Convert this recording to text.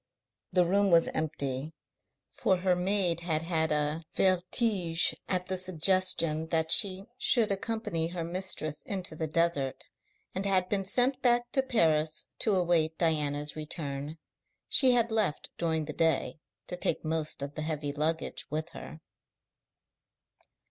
The room was empty, for her maid had had a vertige at the suggestion that she should accompany her mistress into the desert, and had been sent back to Paris to await Diana's return. She had left during the day, to take most of the heavy luggage with her.